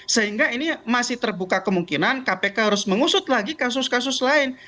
sehingga ini masih terbuka kemungkinan kpk harus mengusut lagi kasus kasus lain